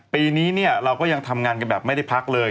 ปีนี้เราก็ยังทำงานกันแบบไม่ได้พักเลย